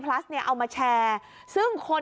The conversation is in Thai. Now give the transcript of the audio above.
ผู้ชายทำผู้หญิงนะคะ